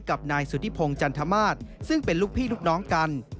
กับนายสุธิพงศ์จันทมาสซึ่งเป็นลูกพี่ลูกน้องกัน